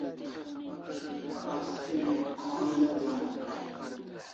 Asi mon ne jonim dai